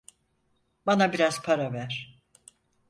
Bana biraz para ver.